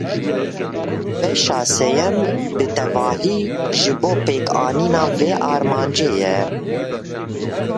Beşa sêyem bi tevahî ji bo pêkanîna vê armancê ye